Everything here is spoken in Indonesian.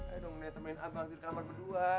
ayo dong nih temenin abang di kamar berdua